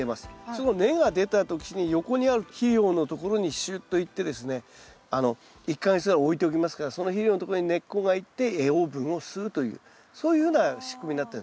その根が出た時に横にある肥料のところにシュッといってですね１か月ぐらい置いておきますからその肥料のところに根っこがいって栄養分を吸うというそういうような仕組みになってるんです。